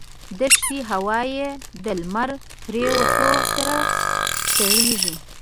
دښتي هوا یې د لمر پرېوتو سره سړېږي.